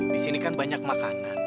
disini kan banyak makanan